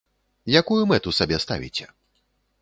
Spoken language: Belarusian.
Якую мэту сабе ставіце?